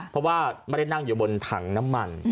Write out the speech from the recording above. เพราะว่าไม่ได้นั่งอยู่บนถังน้ำมัน